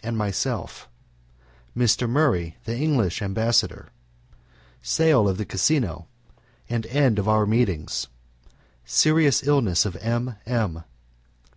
and Myself Mr. Murray, the English Ambassador Sale of the Casino and End of Our Meetings Serious Illness of M. M.